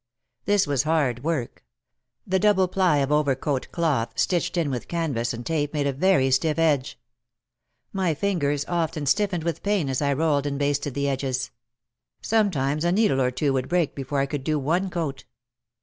This was hard work. The double ply of overcoat cloth stitched in with canvas and tape made a very stiff edge. My fingers often stiffened with pain as I rolled and basted the edges. Sometimes a needle or two would break before I could do one coat.